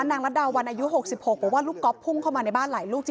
นางรัดดาวันอายุ๖๖บอกว่าลูกก๊อฟพุ่งเข้ามาในบ้านหลายลูก